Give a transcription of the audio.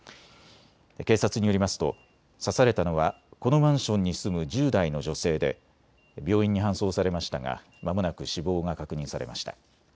警察によりますと刺されたのはこのマンションに住む１０代の女性で病院に搬送されましたがまもなく死亡が確認されました。